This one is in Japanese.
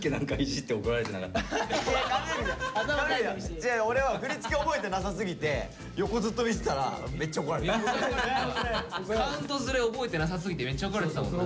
違う俺は振り付け覚えてなさすぎてカウントずれ覚えてなさすぎてめっちゃ怒られてたもんな。